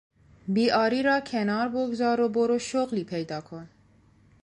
بیعاری را کنار بگذار و برو شغلی پیدا کن!